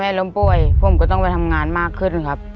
ล้มป่วยผมก็ต้องไปทำงานมากขึ้นครับ